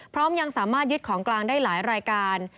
ยังสามารถยึดของกลางได้หลายรายการ